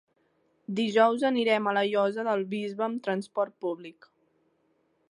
Dijous anirem a la Llosa del Bisbe amb transport públic.